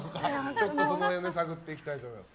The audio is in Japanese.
ちょっとその辺を探っていきたいと思います。